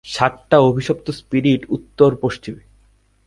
সাতটা অভিশপ্ত স্পিরিট উত্তর পশ্চিমে।